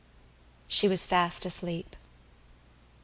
She was fast asleep.